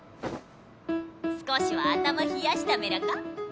少しは頭ひやしたメラか？